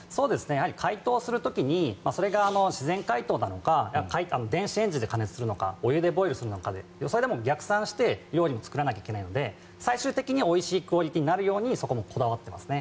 解凍する時にそれが自然解凍なのか電子レンジで加熱するのかお湯でボイルするのかとかでそれで逆算して料理を作らないといけないので最終的にはおいしいクオリティーになるようにこだわってますね。